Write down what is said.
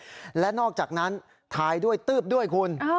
ที่พังเสียหายและนอกจากนั้นทายด้วยตื้บด้วยคุณ